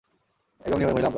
একদম নিয়মের মহিলা আমরা।